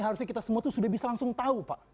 harusnya kita semua tuh sudah bisa langsung tahu pak